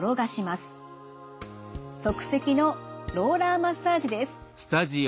即席のローラーマッサージです。